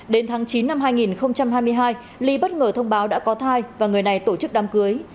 đến tháng chín năm hai nghìn hai mươi hai ly bất ngờ thông báo đã có thai và người này tổ chức đám cưới